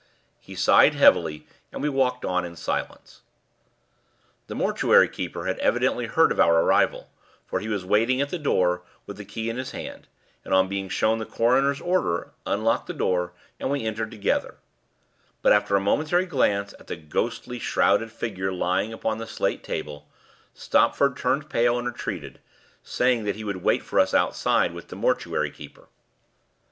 He sighed heavily, and we walked on in silence. The mortuary keeper had evidently heard of our arrival, for he was waiting at the door with the key in his hand, and, on being shown the coroner's order, unlocked the door, and we entered together; but, after a momentary glance at the ghostly, shrouded figure lying upon the slate table, Stopford turned pale and retreated, saying that he would wait for us outside with the mortuary keeper.